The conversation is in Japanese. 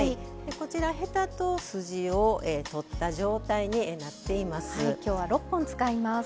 ヘタと筋を取った状態になっています。